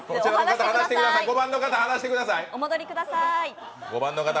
５番の方、離してください。